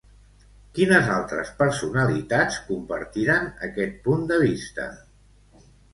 Quines altres personalitats compartiren aquest punt de vista?